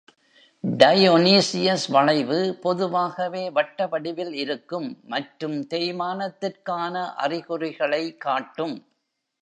Dionysius வளைவு பொதுவாகவே வட்ட வடிவில் இருக்கும் , மற்றும் தேய்மானத்திற்கான அறிகுறிகளை காட்டும்